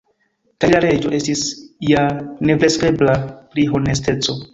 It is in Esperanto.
Kaj la Reĝo estis ja nefleksebla pri honesteco.